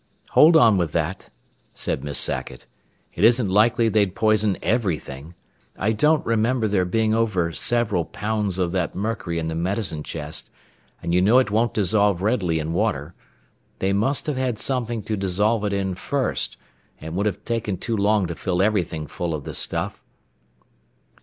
"Hold on with that," said Miss Sackett. "It isn't likely they'd poison everything. I don't remember there being over several pounds of that mercury in the medicine chest, and you know it won't dissolve readily in water. They must have had something to dissolve it in first, and it would have taken too long to fill everything full of the stuff."